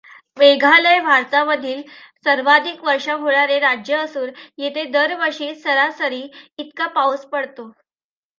मेघालय भारतामधील सर्वाधिक वर्षाव होणारे राज्य असून येथे दरवर्षी सरासरी इतका पाऊस पडतो.